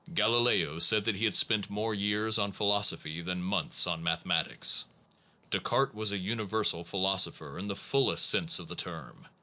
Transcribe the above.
Galileo said that Science is ne na( l s P en t more years on philoso phy than months on mathematics, losophy Descartes was a universal philoso pher in the fullest sense of the term.